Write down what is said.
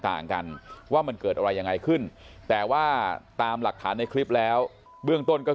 ต่างกันว่ามันเกิดอะไรยังไงขึ้นแต่ว่าตามหลักฐานในคลิปแล้วเบื้องต้นก็คือ